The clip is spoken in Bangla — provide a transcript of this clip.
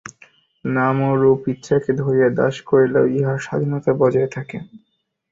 নাম ও রূপ ইচ্ছাকে ধরিয়া দাস করিলেও ইহার স্বাধীনতা বজায় থাকে।